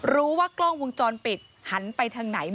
รู้ว่ากล้องวงจรปิดหันไปทางไหน